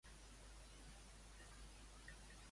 Què és el primer que introdueix Filenis en la seva obra?